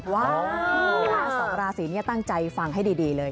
สองราศีนี้ตั้งใจฟังให้ดีเลย